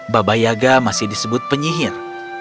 baba yaga masih disebut penyihir